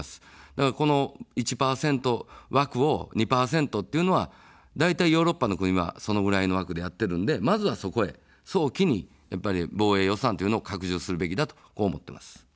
だからこの１％枠を２％というのは、だいたいヨーロッパの国はそのぐらいの枠でやっているので、まずはそこへ早期に防衛予算というのを拡充するべきだと思っています。